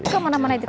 kau mana mana ditolak